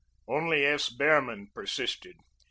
Only S. Behrman persisted.